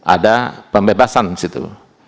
ada pembebasan di situ